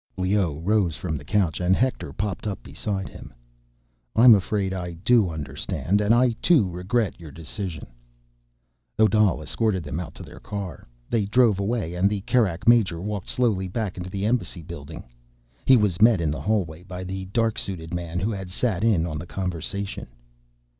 Leoh rose from the couch, and Hector popped up beside him. "I'm afraid I do understand. And I, too, regret your decision." Odal escorted them out to their car. They drove away, and the Kerak major walked slowly back into the Embassy building. He was met in the hallway by the dark suited man who had sat in on the conversation.